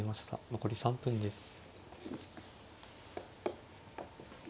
残り３分です。